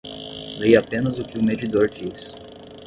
Leia apenas o que o medidor diz.